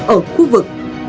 ở khu vực và thế giới